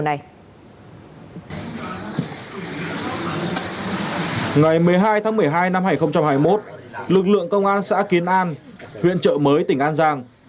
ngày một mươi hai tháng một mươi hai năm hai nghìn hai mươi một lực lượng công an xã kiến an huyện trợ mới tỉnh an giang